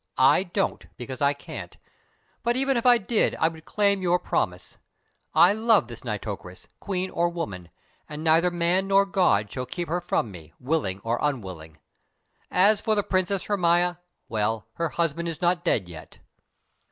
"I don't, because I can't; but even if I did, I would claim your promise. I love this Nitocris, Queen or woman, and neither man nor god shall keep her from me, willing or unwilling. As for the Princess Hermia well, her husband is not dead yet."